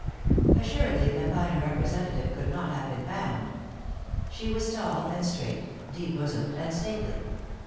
Assuredly a finer representative could not have been found. She was tall and straight, deep bosomed and stately.